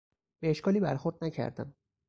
به اشکالی برخورد نکردم.